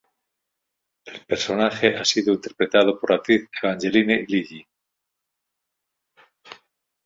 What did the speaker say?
El personaje ha sido interpretado por la actriz Evangeline Lilly.